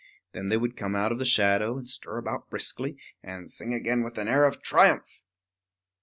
Then they would come out of the shadow, and stir about briskly, and sing again with an air of triumph.